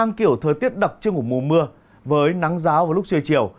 tăng kiểu thời tiết đặc trưng của mùa mưa với nắng giáo vào lúc trưa chiều